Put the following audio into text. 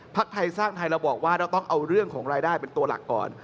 ไทยสร้างไทยเราบอกว่าเราต้องเอาเรื่องของรายได้เป็นตัวหลักก่อน